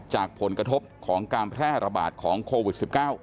จากผลกระทบของการแพร่ระบาดของโควิด๑๙